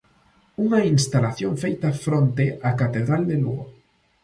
Unha instalación feita fronte á catedral de Lugo.